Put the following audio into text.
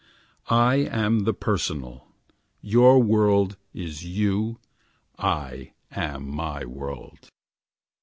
I am the personal. Your world is you. I am my world.